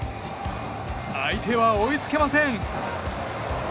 相手は追いつけません！